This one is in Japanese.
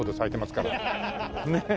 ねえ。